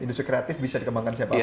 jadi kreatif bisa dikembangkan siapapun ya